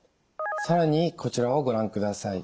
更にこちらをご覧ください。